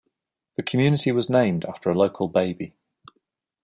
The community was named after a local baby.